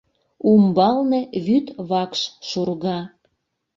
Умбалне вӱд вакш шурга.